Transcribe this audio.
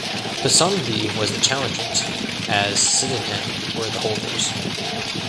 Ponsonby was the challenging team as Sydenham were the holders.